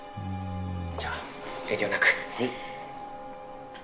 じゃあ遠慮なく。